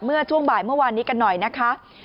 เมื่อช่วงบ่ายเมื่อวานนี้กันหน่อยนะคะ